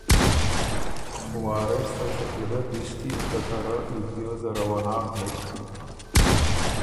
وارث ته شکیلۀ دِس کی، که ته رۀ ای پیوز زره وه ناک بُک،